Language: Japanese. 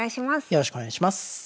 よろしくお願いします。